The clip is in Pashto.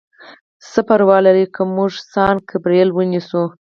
څه پروا لري که موږ سان ګبریل ونیسو؟